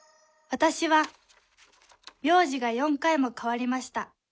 私は名字が４回も変わりました。